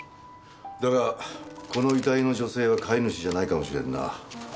だがこの遺体の女性は飼い主じゃないかもしれんな。